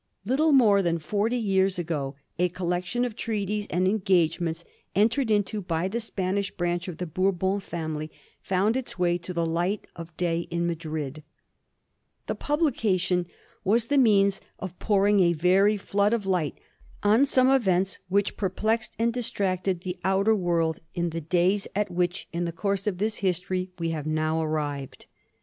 Little more than forty years ago a collection of treaties and engagements entered into by the Spanish branch of the Bourbon family found its way to the light of day in Madrid. The publication was the means of pouring a very flood of light on some events which per plexed and distracted the outer world in the days at VOL. II. — 2 26 A HISTORY OF THE FOUR GEORGES. CH.ZZII. which, in the course of this history, we have now arrived.